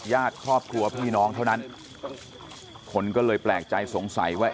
ญาติครอบครัวพี่น้องเท่านั้นคนก็เลยแปลกใจสงสัยว่า